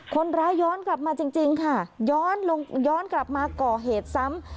คนร้ายย้อนกลับมาจริงค่ะย้อนกลับมาก่อเหตุซ้ำ